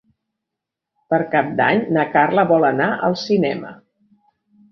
Per Cap d'Any na Carla vol anar al cinema.